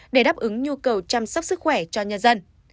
để đáp ứng nhu cầu chăm sóc sức khỏe cho nhân dân